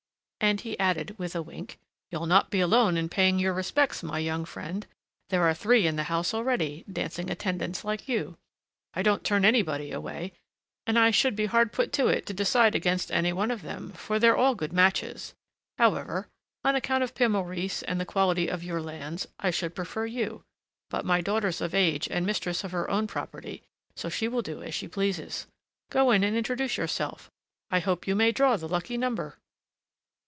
And he added, with a wink: "You'll not be alone in paying your respects, my young friend. There are three in the house already, dancing attendance like you. I don't turn anybody away, and I should be hard put to it to decide against any one of them, for they're all good matches. However, on account of Pere Maurice and the quality of your lands, I should prefer you. But my daughter's of age and mistress of her own property; so she will do as she pleases. Go in and introduce yourself; I hope you may draw the lucky number!"